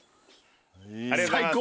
最高。